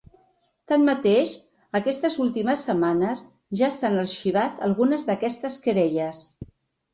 Tanmateix, aquestes últimes setmanes ja s’han arxivat algunes d’aquestes querelles.